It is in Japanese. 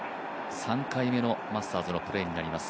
３回目のマスターズのプレーになります